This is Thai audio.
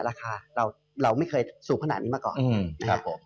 ราคาเราไม่เคยสูงขนาดนี้มาก่อนนะครับผม